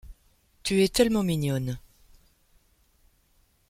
Tu es tellement mignonne!